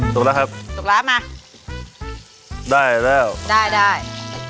ถูกแล้วครับตกร้านมาได้แล้วได้ได้